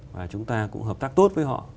và chúng ta cũng hợp tác tốt với họ